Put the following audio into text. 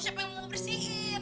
siapa yang mau bersihin